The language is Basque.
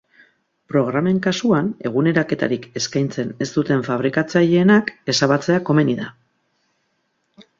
Programen kasuan, eguneraketarik eskaintzen ez duten fabrikatzaileenak ezabatzea komeni da.